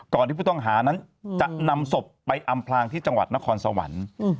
ที่ผู้ต้องหานั้นจะนำศพไปอำพลางที่จังหวัดนครสวรรค์